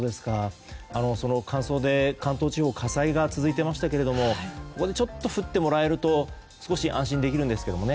その乾燥で関東地方は火災が続いていましたけどもここでちょっと降ってもらえると少し安心できるんですけどね。